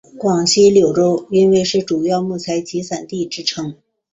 广西柳州因为是主要木材集散地之称。